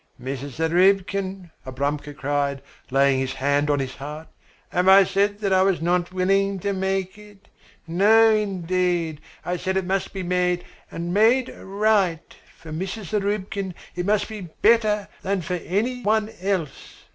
"Mrs. Zarubkin," Abramka cried, laying his hand on his heart. "Have I said that I was not willing to make it? No, indeed, I said it must be made and made right for Mrs. Zarubkin, it must be better than for any one else.